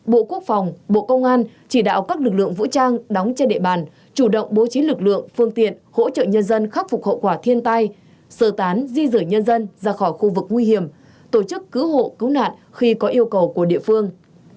bộ quốc phòng bộ công an chỉ đạo các lực lượng vũ trang đóng trên địa bàn chủ động bố trí lực lượng phương tiện hỗ trợ nhân dân khắc phục hậu quả thiên tai sơ tán di rời nhân dân ra khỏi khu vực nguy hiểm tổ chức cứu hộ cứu nạn khi có yêu cầu của địa phương